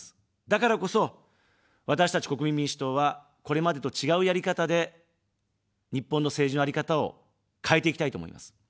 だからこそ、私たち国民民主党は、これまでと違うやり方で日本の政治のあり方を変えていきたいと思います。